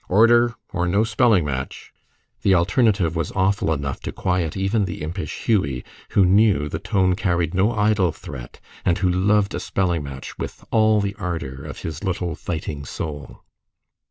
"Order! or no spelling match." The alternative was awful enough to quiet even the impish Hughie, who knew the tone carried no idle threat, and who loved a spelling match with all the ardor of his little fighting soul.